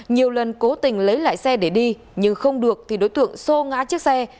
nhiều lần cố tình lấy lại xe để đi nhưng không được thì đối tượng xô ngã chiếc xe